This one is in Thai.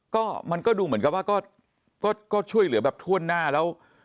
ก็มันก็ดูเหมือนกับว่าก็ช่วยเหลือแบบถ้วนหน้าแล้ว